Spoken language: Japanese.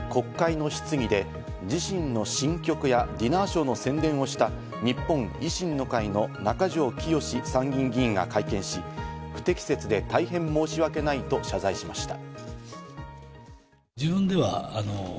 国会の質疑で自身の新曲やディナーショーの宣伝をした日本維新の会の中条きよし参議院議員が会見し、不適切で大変申し訳ないと謝罪しました。